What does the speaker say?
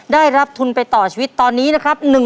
ได้รับทุนไปต่อชีวิตตอนนี้นะครับ